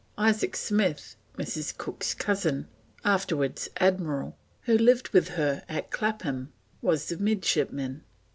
Isaac Smith, Mrs. Cook's cousin, afterwards Admiral, who lived with her at Clapham, was the midshipman.